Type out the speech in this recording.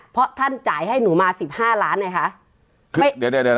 เพราะท่านจ่ายให้หนูมาสิบห้าล้านนะคะเดี๋ยวเดี๋ยวเดี๋ยว